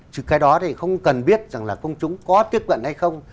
chứ cái đó thì không cần biết rằng là công chúng có tiếp cận hay không